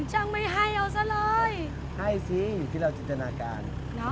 ให้สิอยู่ที่เราจินตนาการ